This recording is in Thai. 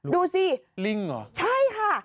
ดูสิลิงเหรอใช่ค่ะ